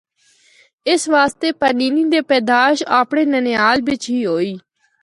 اس واسطے پانینی دے پیدائش اپنڑے ننھیال بچ ہی ہوئی۔